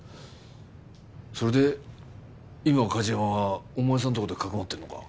それで今梶山はお前さんとこでかくまってるのか？